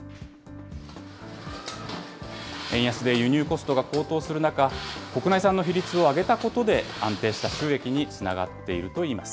円安で輸入コストが高騰する中、国内産の比率を上げたことで、安定した収益につながっているといいます。